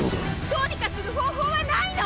どうにかする方法はないの？